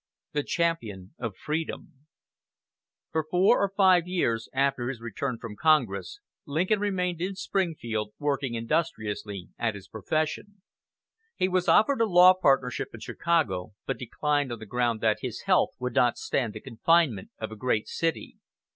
THE CHAMPION OF FREEDOM For four or five years after his return from Congress, Lincoln remained in Springfield, working industriously at his profession. He was offered a law partnership in Chicago, but declined on the ground that his health would not stand the confinement of a great city.